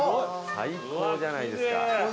最高じゃないですか。